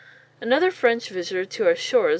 Another French visitor to our shores, M.